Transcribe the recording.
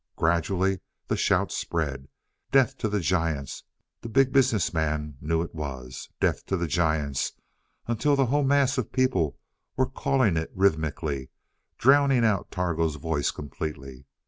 Gradually the shout spread "Death to the Giants," the Big Business Man knew it was "Death to the Giants," until the whole mass of people were calling it rhythmically drowning out Targo's voice completely.